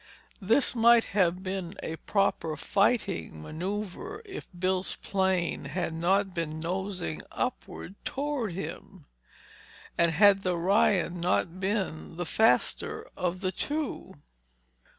This might have been a proper fighting maneuver if Bill's plane had not been nosing upward toward him; and had the Ryan not been the faster of the two.